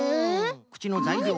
くちのざいりょう。